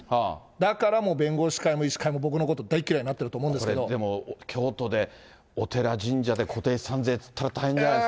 だからもう弁護士会も医師会も、僕のことを大嫌いになったと思うでも、京都でお寺、神社で固定資産税っていったら、大変じゃないですか。